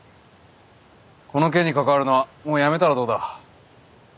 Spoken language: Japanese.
この件に関わるのはもうやめたらどうだ？